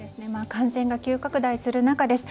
感染が急拡大する中です。